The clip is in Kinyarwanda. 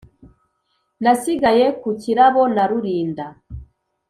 Nasigaye ku kirabo na Rurinda,